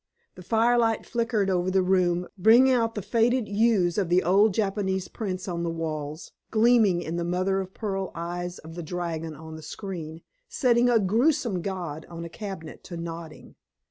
The firelight flickered over the room, bringing out the faded hues of the old Japanese prints on the walls, gleaming in the mother of pearl eyes of the dragon on the screen, setting a grotesque god on a cabinet to nodding.